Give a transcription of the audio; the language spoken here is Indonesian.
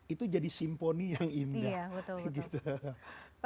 itu jadi simponi yang indah